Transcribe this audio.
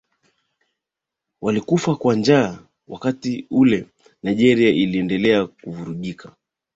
i walikufa kwa njaa wakati ule Nigeria iliendelea kuvurugika